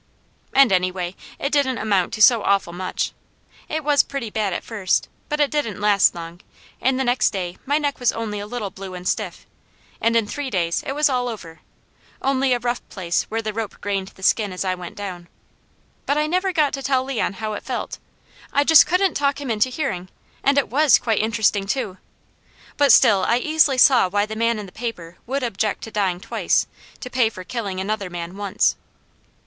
And anyway, it didn't amount to so awful much. It was pretty bad at first, but it didn't last long, and the next day my neck was only a little blue and stiff, and in three days it was all over, only a rough place where the rope grained the skin as I went down; but I never got to tell Leon how it felt; I just couldn't talk him into hearing, and it was quite interesting too; but still I easily saw why the man in the paper would object to dying twice, to pay for killing another man once.